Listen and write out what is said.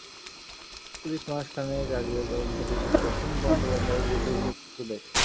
Police মাস খানেক আগে তদন্ত শেষে প্রসূন বন্দ্যোপাধ্যায়ের বিরুদ্ধে অভিযোগপত্র দেয়।